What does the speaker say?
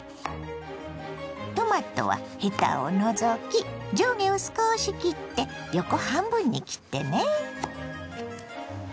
トマトはヘタを除き上下を少し切って横半分に切ってね。